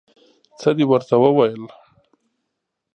څه دې ورته وویل؟